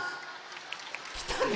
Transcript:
きたね。